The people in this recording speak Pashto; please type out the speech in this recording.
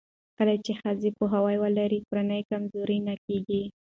کله چې ښځې پوهاوی ولري، کورنۍ کمزورې نه کېږي.